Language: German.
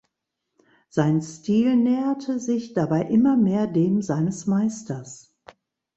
Sein Stil näherte sich dabei immer mehr dem seines Meisters.